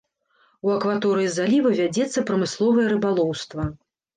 У акваторыі заліва вядзецца прамысловае рыбалоўства.